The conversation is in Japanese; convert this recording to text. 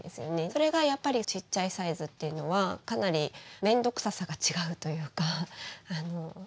それがやっぱりちっちゃいサイズっていうのはかなり面倒くささが違うというかあのすごく楽です。